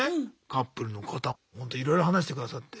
カップルの方もほんといろいろ話してくださって。